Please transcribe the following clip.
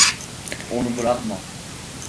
Onu bırakma.